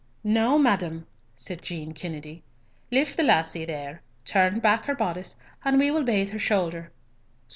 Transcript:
"Now, madam," said Jean Kennedy, "lift the lassie, there, turn back her boddice, and we will bathe her shouther.